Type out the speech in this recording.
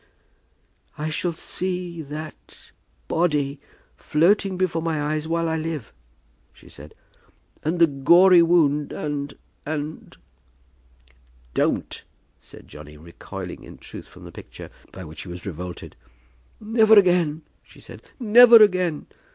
"I shall see that body, floating before my eyes while I live," she said, "and the gory wound, and, and " "Don't," said Johnny, recoiling in truth from the picture, by which he was revolted. "Never again," she said; "never again!